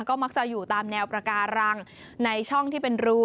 ก็มักจะอยู่ตามแนวประการังในช่องที่เป็นรู